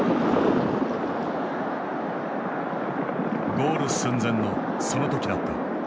ゴール寸前のその時だった。